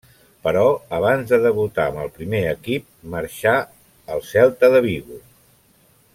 Però, abans de debutar amb el primer equip, marxa al Celta de Vigo.